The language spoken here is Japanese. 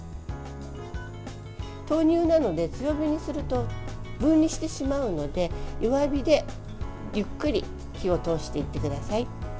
豆乳なので、強火にすると分離してしまうので弱火でゆっくり火を通していってください。